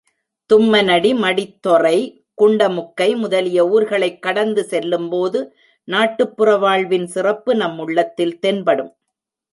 தும்மனடி, மடித்தொறை, குண்டமுக்கை முதலிய ஊர்களைக் கடந்து செல்லும் போது நாட்டுப்புற வாழ்வின் சிறப்பு நம் உள்ளத்தில் தென்படும்.